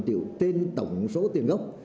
năm trăm linh triệu tên tổng số tiền gốc